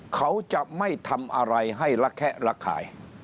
เขาจะไม่ทำอะไรให้ระแคะระคาย